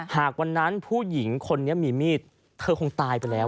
ถ้าผู้หญิงแบบนี้มีมีดเธอคงตายไปแล้ว